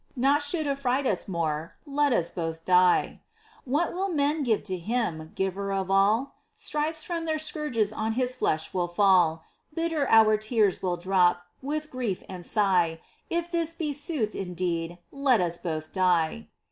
Naught should affright us more Let us both die ! What will men give to Him, Giver of all ?— Stripes from their scourges on His flesh will fall. Bitter our tears will drop With grief and sigh !— If this be sooth indeed, Let us both die